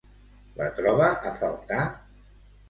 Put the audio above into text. La troba a faltar?